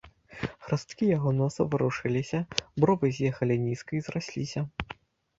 Храсткі яго носа варушыліся, бровы з'ехалі нізка і зрасліся.